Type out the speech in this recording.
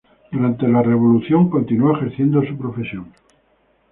Durante la Revolución continuó ejerciendo su profesión.